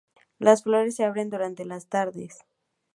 Las flores se abren durante las tardes.